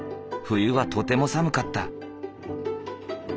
冬はとても寒かった。